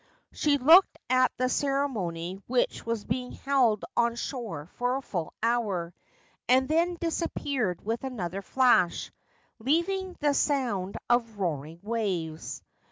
She looked at the ceremony which was being held on shore for a full hour, and then disappeared with another flash, leaving the sound of roaring waves.